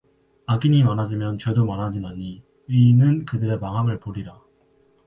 악인이 많아지면 죄도 많아지나니 의인은 그들의 망함을 보리라